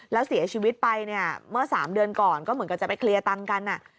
แล้วเสียชีวิตไปเนี่ยเมื่อ๓เดือนก่อนก็เหมือนกับจะไปเคลียร์ตังค์กัน